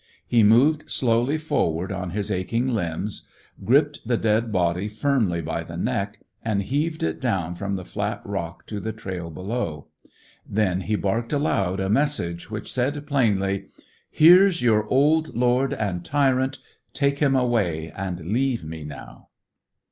He moved slowly forward on his aching limbs, gripped the dead body firmly by the neck, and heaved it down from the flat rock to the trail below. Then he barked aloud, a message which said plainly "Here is your old lord and tyrant! Take him away, and leave me now!"